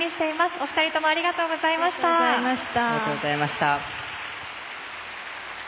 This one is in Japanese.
お二人ともありがとうございました。